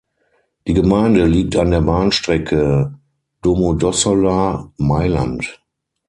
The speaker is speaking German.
Die Gemeinde liegt an der Bahnstrecke Domodossola–Mailand.